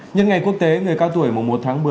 nhân ngày quốc tế người cao tuổi mùng một tháng một mươi